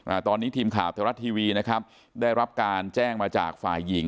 อ่าตอนนี้ทีมข่าวไทยรัฐทีวีนะครับได้รับการแจ้งมาจากฝ่ายหญิง